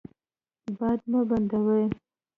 باد مه بندوئ.